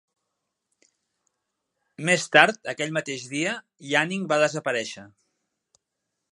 Més tard aquell mateix dia, Yaning va desaparèixer.